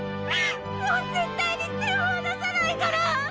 もう絶対に手を離さないから！